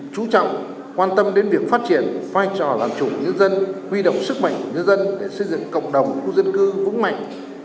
chú trọng quan tâm đến việc phát triển vai trò làm chủ nhân dân huy động sức mạnh của nhân dân để xây dựng cộng đồng khu dân cư vững mạnh